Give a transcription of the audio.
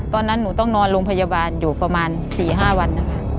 ตอนนั้นหนูต้องนอนโรงพยาบาลอยู่ประมาณ๔๕วันนะคะ